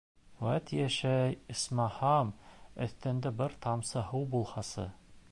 «Вәт йәшәй, исмаһам, өҫтөндә бер тамсы һыу булһасы...»